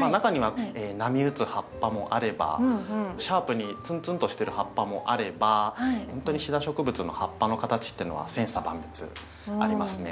あ中には波打つ葉っぱもあればシャープにツンツンとしてる葉っぱもあればほんとにシダ植物の葉っぱの形っていうのは千差万別ありますね。